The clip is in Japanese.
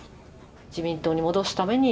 自民党に戻すために？